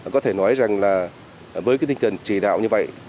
có thể nói rằng là với cái tinh thần chỉ đạo như vậy